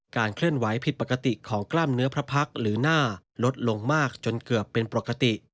เคลื่อนไหวผิดปกติของกล้ามเนื้อพระพักษ์หรือหน้าลดลงมากจนเกือบเป็นปกติ